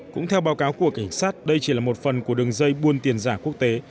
cũng theo báo cáo của cảnh sát đây chỉ là một phần của đường dây buôn tiền giả quốc tế